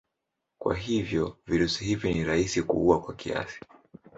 Kwa hivyo virusi hivi ni rahisi kuua kwa kiasi.